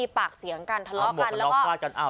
ฝาดกันแล้วจ้ะ